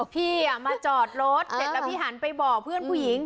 พี่มาจอดรถเสร็จแล้วพี่หันไปบอกเพื่อนผู้หญิง